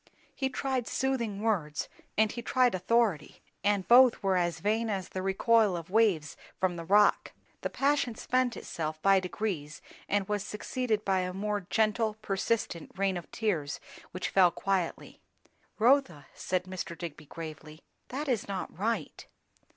He tried soothing words, and he tried authority; and both were as vain as the recoil of waves from a rock. The passion spent itself by degrees, and was succeeded by a more gentle, persistent rain of tears which fell quietly. "Rotha," said Mr. Digby gravely, "that is not right."